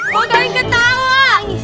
kok kalian ketawa